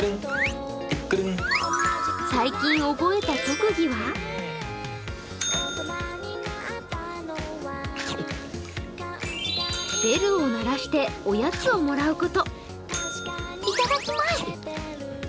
最近覚えた特技はベルを鳴らしておやつをもらうこと。